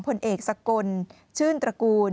ผลเอกสกลชื่นตระกูล